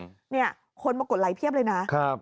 นี่นี่เนี้ยคนมากดไลค์เพียบเลยนะครับ